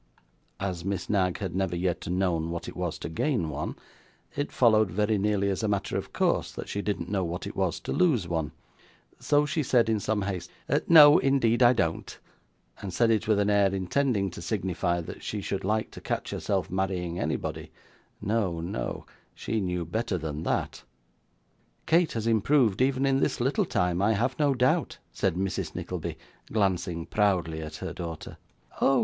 As Miss Knag had never yet known what it was to gain one, it followed, very nearly as a matter of course, that she didn't know what it was to lose one; so she said, in some haste, 'No, indeed I don't,' and said it with an air intending to signify that she should like to catch herself marrying anybody no, no, she knew better than that. 'Kate has improved even in this little time, I have no doubt,' said Mrs Nickleby, glancing proudly at her daughter. 'Oh!